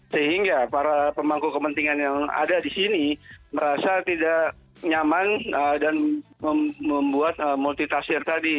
sehingga para pemangku kepentingan yang ada di sini merasa tidak nyaman dan membuat multitafsir tadi